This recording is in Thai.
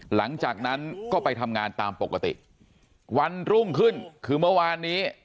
หลังจากนั้นก็ไปทำงานตามปกติวันรุ่งขึ้นคือเมื่อวานนี้